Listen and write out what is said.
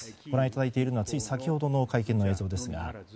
ご覧いただいているのはつい先ほどの会見の映像です。